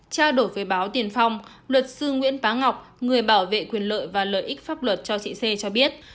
trao đổi với báo tiền phong luật sư nguyễn phá ngọc người bảo vệ quyền lợi và lợi ích pháp luật cho trị xê cho biết